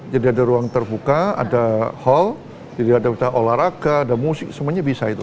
jadi ada ruang terbuka ada hall jadi ada olahraga ada musik semuanya bisa itu